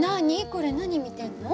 これ何見てるの？